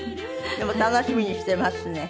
でも楽しみにしてますね